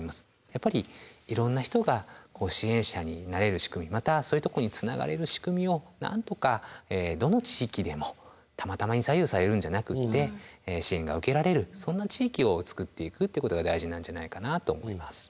やっぱりいろんな人が支援者になれる仕組みまたそういうとこにつながれる仕組みをなんとかどの地域でもたまたまに左右されるんじゃなくって支援が受けられるそんな地域を作っていくってことが大事なんじゃないかなと思います。